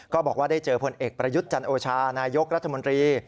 บอกว่าได้เจอผลเอกประยุทธ์จันโอชานายกรัฐมนตรี